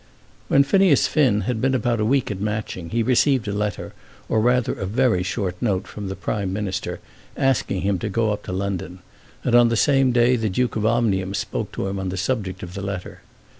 When Phineas Finn had been about a week at Matching, he received a letter, or rather a very short note, from the Prime Minister, asking him to go up to London; and on the same day the Duke of Omnium spoke to him on the subject of the letter.